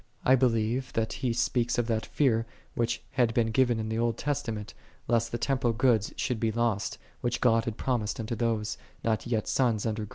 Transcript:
"'3 I believe that he speaks of that fear, which had been given in the Old Testament, lest the j temporal goods should be lost, which God j had promised unto those not yet sons under